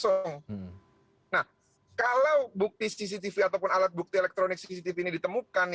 nah kalau bukti cctv ataupun alat bukti elektronik cctv ini ditemukan